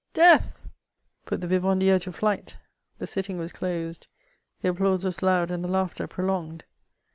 death !" put the vivandiires to flight. The sitting was closed ; the applause was loud and the laughter prolonged.